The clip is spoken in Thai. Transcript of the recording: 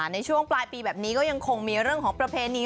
ในช่วงปลายปีแบบนี้ก็ยังคงมีเรื่องของประเพณี